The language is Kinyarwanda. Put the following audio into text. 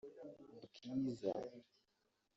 Bwiza